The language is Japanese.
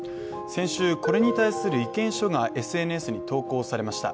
先週、これに対する意見書がＳＮＳに投稿されました。